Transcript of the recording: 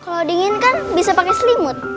kalo dingin kan bisa pake selimut